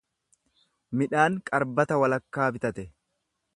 Midhaan qarbata walakkaa bitate.